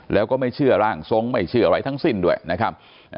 แล้วก็ไม่เชื่อร่างทรงไม่เชื่ออะไรทั้งสิ้นด้วยนะครับ